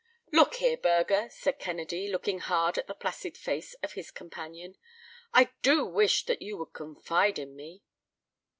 "Look here, Burger," said Kennedy, looking hard at the placid face of his companion, "I do wish that you would confide in me."